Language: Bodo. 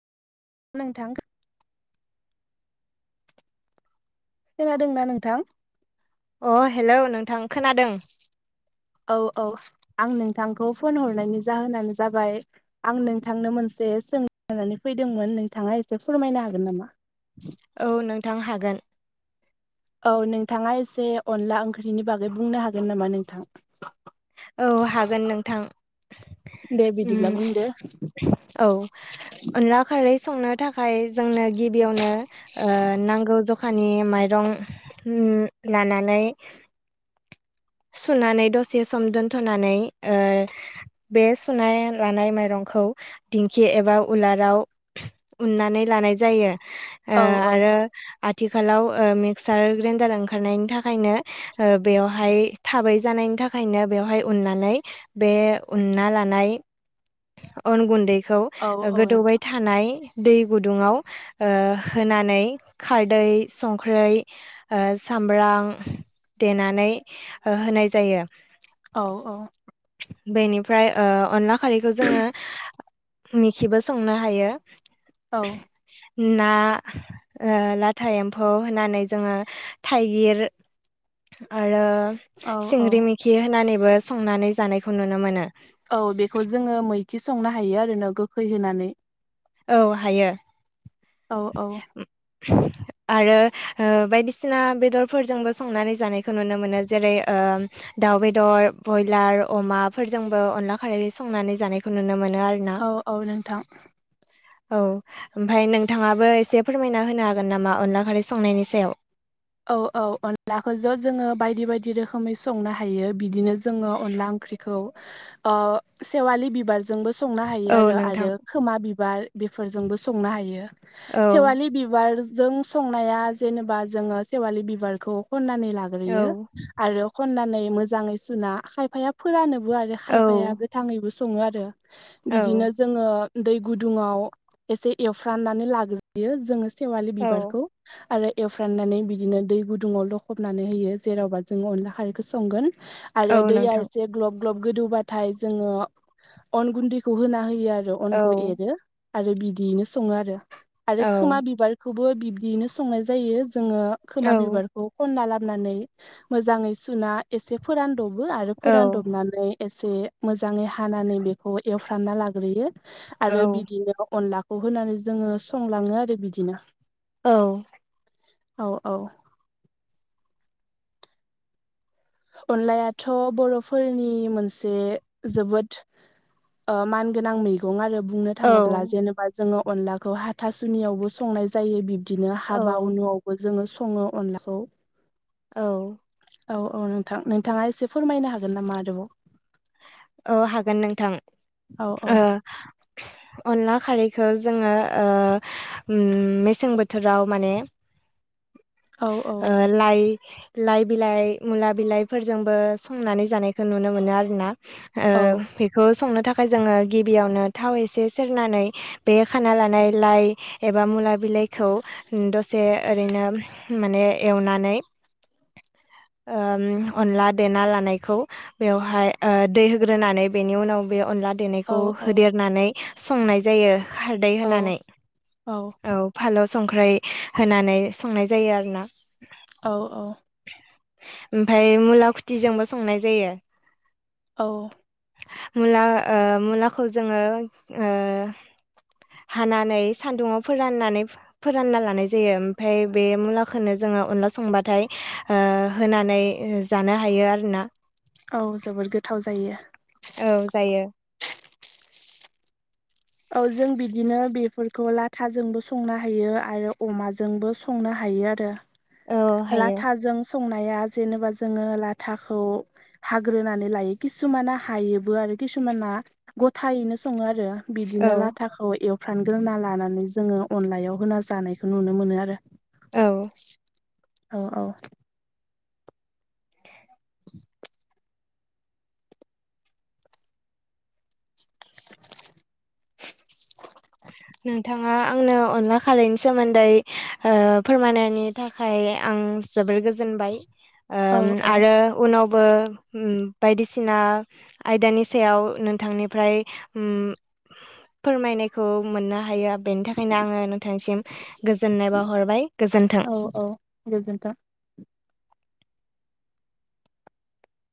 नोंथां खोनादोंना नोंथां? अ हेलौ नोंथां खोनादों। औ औ आं नोंथांखौ फन हरनायनि जाहोनानो जाबाय आं नोंथांनो मोनसे जों नानै फैदोंमोन नोंथाङा एसे फोरमायनो हागोन नामा? औ नोंथां हागोन औ नोंथाङा एसे अनला ओंख्रिनि बागै बुंनो हागोन नामा नोंथां औ हागोन नोंथां दे बिदिब्ला बुंदो। औ अनला खारै संनो थाखाय जोंनो गिबियावनो ओ नांगौ ज खानि माइरं लानानै सुनानै दसे सम दोनथ'नानै बे सुना लानाय माइरं खौ दिंखि एबा उलाराव उन्नानै लानाय जायो। ओ औ औ आरो आथिखालाव मिक्सार ग्रेन्डार ओंखारनायनि थाखायनो बेवहाय थाबै जानायनि थाखायनो बेवहाय उननानै बे उनना लानाय अन गुन्दैखौ औ औ गोदौबाय नोंथां थानाय दै गुदुङाव होनानै खारदै संख्रै सामब्राम देनानै होनाय जायो। औ औ बेनिफ्राय अनला खारैखौ जोङो निखिबो संनो हायो। औ ना लाथा एम्फौ होनानै जोङो थाइगिर आरो औ औ सिंग्रि मेखि होनानैबो संनानै जानायखौ नुनो मोनो। औ बेखौ जोङो मैखि संनो हायो आरो ना गोखै होनानै औ हायो। औ औ [inaudible] आरो ओ बायदिसिना बेदरफोरजोंबो संनानै जानायखौ नुनो मोनो जेरै ओ दाउ बेदर ब्रयलार अमाफोरजोंबो अनला खारै संनानै जानायखौ नुनो मोन औ औ नोंथां। औ ओमफ्राय नोंथाङाबो एसे फोरमायना होनो हागोन नामा अनला खारै संनायनि सायाव? औ औ अनलाखौ जो जोङो बायदि बायदि रोखोमै संनो हायो बिदिनो जोङो अनला ओंख्रिखौ ओ सेवालि बिबार जोंबो संनो हायो औ आरो नोंथां आरो खोमा बिबार बेफोरजोंबो संनो हायो। औ सेवालि बिबारजों संनाया जेनेबा जोङो सेवालि बिबारखौ खननानै औ लाग्रोयो आरो खननानै मोजाङै सुना खायफाया फोरान नोबो आरो खायफाया औ गोथाङैबो सङो आरो औ बिदिनो जोङो। दै गुदुङाव एसे एवफ्राननानै लाग्रोयो जोङो। सेवालि औ बिबारखौ आरो एवफ्राननानै बि दिनो दै गुदुंङाव लखबनानै होयो जेरावबा जोंङो अनला खारैखौ संगोन। औ आरो दैया नोंथां एसे ग्लब ग्लब गोदौबाथाय जोङो अन गुन्दैखौ होना हो रो औ अनखौ एरो आरो बिदियैनो सङो आरो आरो औ खोमा बिबारखौबो बिब्दिनो संनाय जायो जोङो औ खोमा बिबारखौ खनला ला बनानै मोजाङै सुना एसे फोरानदबो आरो औ फोरानदबनानै एसे मोजाङै हानानै बेखौ एवफ्रानना लाग्रोयो औ आरो बिदिनो अनला खौ होनानै जोङो संलाङो आरो बिदिनो। औ औ औ अनलायाथ' बर'फोरनि मोनसे जोबोद। मानगोनां मैगं आरो। बुंनो थाङोब्ला औ जेनेबा जोङो अनलाखौ हाथासुनियावबो संनाय जायो। बिदिनो हाबा अ औ नुआवबो जोङो सङो अनलाखौ। औ औ औ नोंथां नोंथाङा एसे फोरमायनो हागोन नामा आरोबाव औ हागोन नोंथां औ औ ओ अनला खारैखौ जोङो ओ मेसें बोथोराव माने औ औ ओ लाइ लाइ बिलाइ मुला बिलाइफोरजोंबो संनानै जानायखौ नुनो मोनो आरोना। ओ औ बेखौ संनो था जोङो गिबियावनो थाव एसे सेरनानै बे खाना लानाय लाइ एबा मुला बि लाइखौ दसे ओरैनो माने एवनानै [inaudible] उम अनला देना लानायखौ बेवहाय ओ दै होग्रोनानै बेनि उनाव बे अनला औ देनायखौ औ होदेरनानै संनाय जायो। खारदै औ होनानै औ फालौ संख्रै होनानै संनाय जायो आरो ना। औ औ ओमफ्राय मुला खुथिजोंबो संनाय जायो। औ मुला ओ मुलाखौ जोङो हानानै सान्दुङाव फोराननानै फोरानना लानाय जा यो ओमफ्राय बे मुखौनो जोङो अनला संबाथाय ओ होनानै जानो हायो। जायो आरोना। औ जोबोद गोथाव जायो औ जायो। औ जों बिदिनो बेफोरखौ लाथाजोंबो संनो हायो आरो अमाजोंबो संनो हा हायो आरो औ हायो लाथाजों संनाया जेनेबा जोङो लाथाखौ हाग्रोनानै लायो किसुमाना हायोबो आरो किसुमाना गथायैनो सङो आरो। औ बिदिनो लाथाखौ एवफ्रानग्रोना लानानै जोङो अनलायाव होना जानायखौ नुनो मोनो आरो। औ औ औ [inaudible] नोंथाङा आंनो अनला खारैनि सोमोन्दै फोरमायनायनि थाखाय आं जोबोर गोजोनबाय। औ आरो उनाव बो बायदिसिना आयदानि सायाव नोंथांनिफ्राय होम फोरमायनायखौ मोननो हायो बेनि थाखायनो आङो नोंथांसिम गोजोननाय बावाहरबाय गोजोन्थों। गोजोनथों।